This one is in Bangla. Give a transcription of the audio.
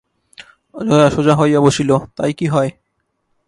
জয়া সোজা হইয়া বসিল, তাই কি হয়?